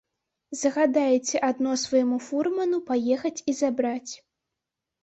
Загадайце адно свайму фурману паехаць і забраць.